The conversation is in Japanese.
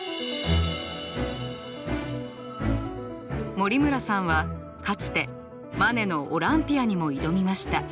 森村さんはかつてマネの「オランピア」にも挑みました。